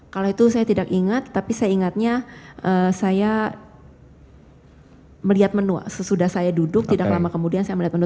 kalau itu saya tidak ingat tapi saya ingatnya saya melihat menu sesudah saya duduk tidak lama kemudian saya melihat menu